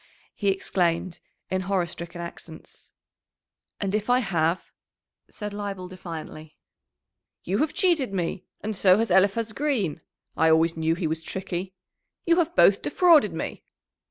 he exclaimed in horror stricken accents. "And if I have?" said Leibel defiantly. "You have cheated me! And so has Eliphaz Green I always knew he was tricky! You have both defrauded me!"